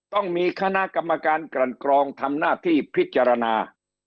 ต้องมีคณะกรรมการกลั่นกรองทำหน้าที่พิจารณา